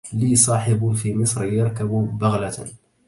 لي صاحب في مصر يركب بغلة